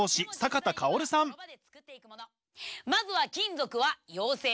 まずは金属は陽性。